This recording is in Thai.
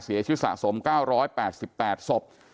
เสียชีวิตสะสม๙๘๘ศพ